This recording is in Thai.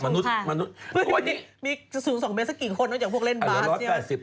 มี๐๒เมตรสักกี่คนอย่างพวกเล่นบาร์ส